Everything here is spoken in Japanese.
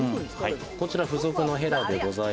こちらが付属のヘラです。